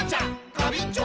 ガビンチョ！